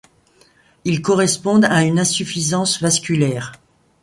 Ils correspondent à une insuffisance vasculaire.